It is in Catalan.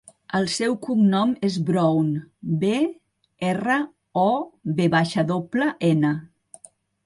El seu cognom és Brown: be, erra, o, ve doble, ena.